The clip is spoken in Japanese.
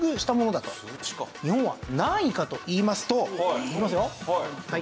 日本は何位かといいますといきますよ。